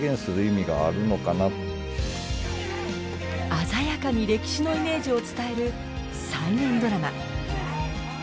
鮮やかに歴史のイメージを伝える再現ドラマ。